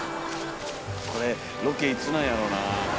これロケいつなんやろな。